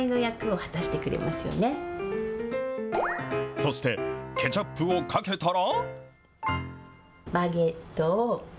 そしてケチャップをかけたら。